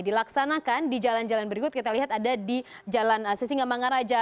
dilaksanakan di jalan jalan berikut kita lihat ada di jalan sisingamangaraja